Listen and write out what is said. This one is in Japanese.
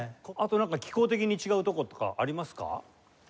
あと機構的に違うところとかありますか？